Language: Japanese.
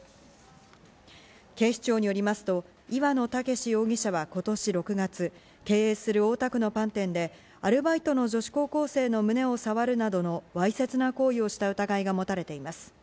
警視庁によりますと、岩野武容疑者は今年６月、経営する大田区のパン店でアルバイトの女子高校生の胸をさわるなどのわいせつな行為をした疑いが持たれています。